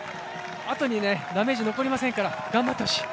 あとにダメージ残りませんから頑張ってほしい。